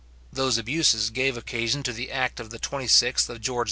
Those abuses gave occasion to the act of the 26th of George II.